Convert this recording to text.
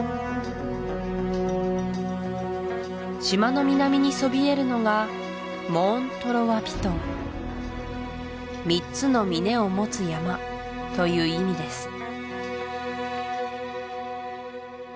島の南にそびえるのがモーン・トロワ・ピトン３つの峰を持つ山という意味です